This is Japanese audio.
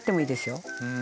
うん。